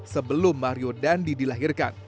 sebelum mario dandy dilahirkan